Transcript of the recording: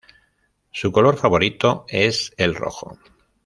Su color favorito es el rojo.